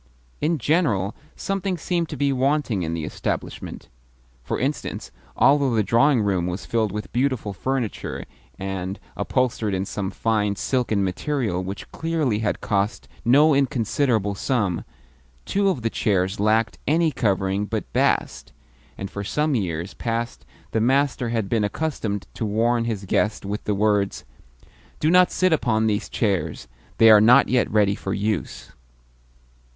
In general, something seemed to be wanting in the establishment. For instance, although the drawing room was filled with beautiful furniture, and upholstered in some fine silken material which clearly had cost no inconsiderable sum, two of the chairs lacked any covering but bast, and for some years past the master had been accustomed to warn his guests with the words, "Do not sit upon these chairs; they are not yet ready for use."